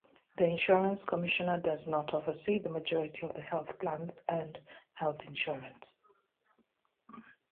The Insurance Commissioner does not oversee the majority of Health Plans and Health Insurance.